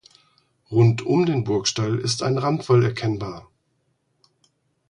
Rund um den Burgstall ist ein Randwall erkennbar.